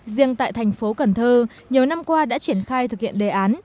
riêng tại thành phố cần thơ nhiều năm qua đã triển khai thực hiện đề án